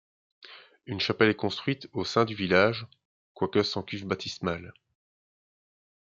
Une chapelle est construite au sein du village, quoique sans cuve baptismale.